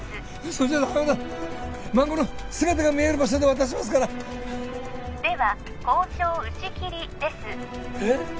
それじゃダメだ孫の姿が見える場所で渡しますからでは交渉打ち切りですえっ？